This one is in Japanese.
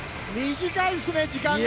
短いですね、時間が。